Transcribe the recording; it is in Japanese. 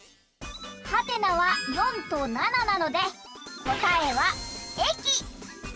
「？」は４と７なのでこたえはえき！